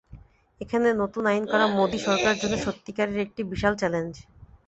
এখানে নতুন আইন করা মোদি সরকারের জন্য সত্যিকারের একটি বিরাট চ্যালেঞ্জ।